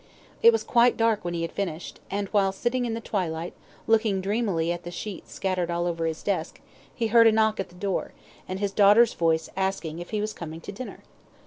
It was quite dark when he had finished, and while sitting in the twilight, looking dreamily at the sheets scattered all over his desk, he heard a knock at the door, and his daughter's voice asking if he was coming to dinner.